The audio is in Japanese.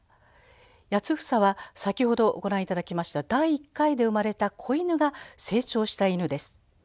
八房は先ほどご覧頂きました第１回で生まれた子犬が成長した犬です。